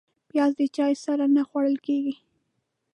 پیاز د چای سره نه خوړل کېږي